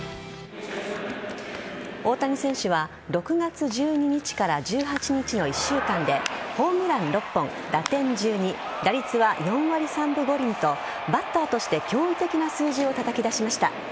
大谷選手は６月１２日から１８日の１週間でホームラン６本、打点１２打率は４割３分５厘とバッターとして驚異的な数字をたたき出しました。